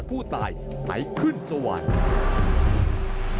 และสุดท้ายก็จะร้องเพลงสรรเสริญพระเจ้า